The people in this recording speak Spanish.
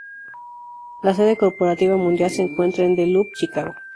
La sede corporativa mundial se encuentra en The Loop, Chicago.